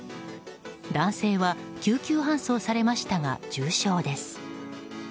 男性は救急搬送されましたが重傷です。